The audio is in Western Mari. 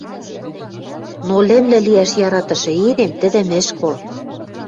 Но лӹмлӹ лиӓш яратышы эдем тӹдӹм ӹш кол.